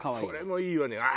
それもいいわね。